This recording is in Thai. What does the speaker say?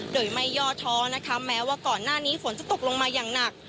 โดยไม่ยอดท้อแม้ว่าก่อนหน้านี้สมสะก็ลงมาอีกอย่างหนัก